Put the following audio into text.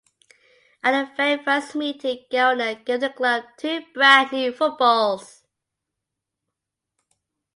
At the very first meeting Geldner gave the club two brand new footballs.